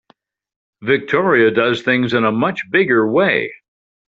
Victoria does things in a much bigger way.